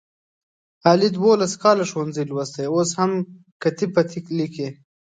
علي دوولس کاله ښوونځی لوستی اوس هم کتې پتې لیکي.